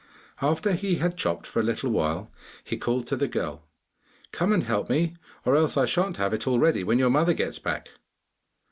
After he had chopped for a little while he called to the girl, 'Come and help me, or else I shan't have it all ready when your mother gets back.